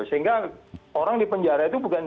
sehingga orang di penjara itu bukan